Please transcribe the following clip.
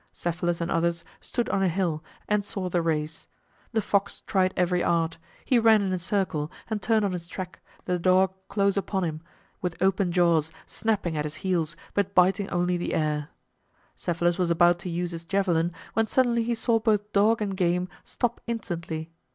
Cephalus and others stood on a hill and saw the race. The fox tried every art; he ran in a circle and turned on his track, the dog close upon him, with open jaws, snapping at his heels, but biting only the air. Cephalus was about to use his javelin, when suddenly he saw both dog and game stop instantly.